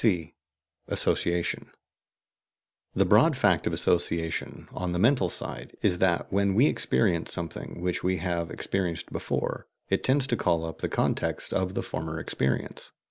(c) ASSOCIATION. The broad fact of association, on the mental side, is that when we experience something which we have experienced before, it tends to call up the context of the former experience.